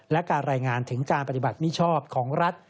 และการรายงานถึงการปฏิบัติมิชอบของรัฐ